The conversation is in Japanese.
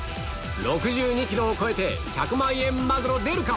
６２ｋｇを超えて１００万円マグロ出るか？